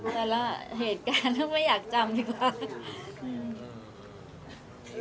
แต่ละเหตุการณ์ถ้าไม่อยากจำดีกว่า